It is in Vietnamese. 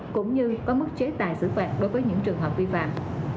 cũng như có mức chế tài xử phạt đối với những trường hợp vi phạm